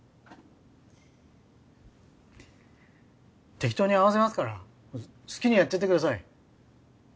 適当に合わせますからもう好きにやっちゃってください。